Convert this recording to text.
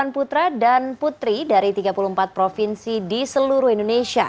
delapan putra dan putri dari tiga puluh empat provinsi di seluruh indonesia